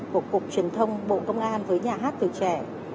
của cục truyền thông bộ công an với nhà hát tuổi trẻ